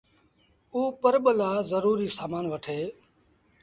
اوٚ پرٻ لآ زروٚريٚ سآمآݩ وٺي